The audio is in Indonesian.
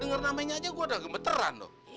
dengar namanya aja gue udah gemeteran loh